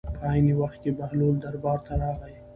په عین وخت کې بهلول دربار ته راغی.